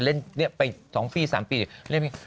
เล่นไป๒๓ปี